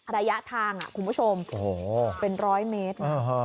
ระยะทางคุณผู้ชมเป็นร้อยเมตรนะ